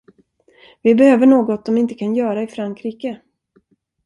Vi behöver något de inte kan göra i Frankrike.